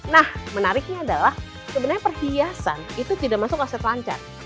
nah menariknya adalah sebenarnya perhiasan itu tidak masuk aset lancar